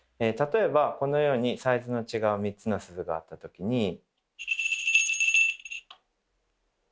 例えばこのようにサイズの違う３つの鈴があったときに。